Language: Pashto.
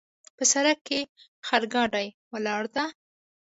په سړک کې خرګاډۍ ولاړ ده